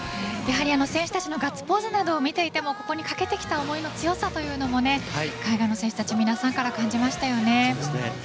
やはり選手たちのガッツポーズなどを見ていてもここにかけてきた思いの強さというのも海外の選手たち皆さんから感じられましたよね。